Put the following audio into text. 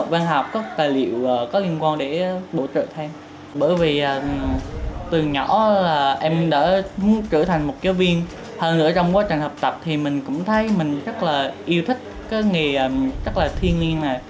bởi vì từ nhỏ em đã trở thành một kế viên hơn nữa trong quá trình học tập thì mình cũng thấy mình rất là yêu thích cái nghề rất là thiên nhiên này